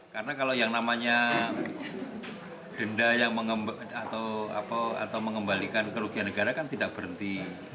karena kalau yang namanya denda yang mengembalikan kerugian negara kan tidak berhenti